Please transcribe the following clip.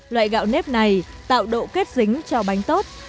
loại gạo nếp này tạo độ kết dính cho bánh tốt